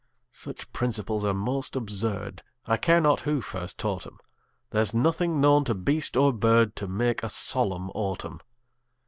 Such principles are most absurd, I care not who first taught 'em; There's nothing known to beast or bird To make a solemn autumn.